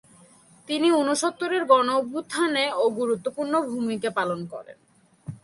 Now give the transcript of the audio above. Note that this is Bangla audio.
তিনি ঊনসত্তরের গণ-অভ্যুত্থানেও গুরুত্বপূর্ণ ভূমিকা পালন করেন।